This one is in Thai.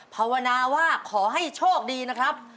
ภาวนาว่าขอให้โชคดีนะครับ